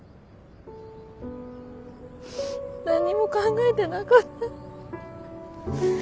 何にも考えてなかった。